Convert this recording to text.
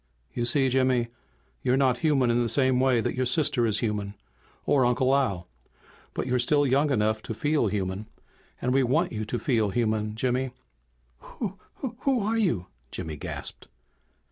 "You see, Jimmy, you're not human in the same way that your sister is human or Uncle Al. But you're still young enough to feel human, and we want you to feel human, Jimmy." "W Who are you?" Jimmy gasped.